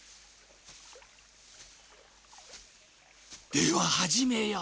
では始めよう。